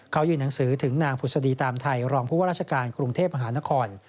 เขายื่นหนังสือถึงนางผุศดีตามไทยรองผู้ว่าราชการกรุงเทพมหานคร